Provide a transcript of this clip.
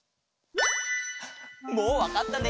もうわかったね。